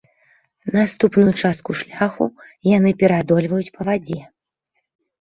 Наступную частку шляху яны пераадольваюць па вадзе.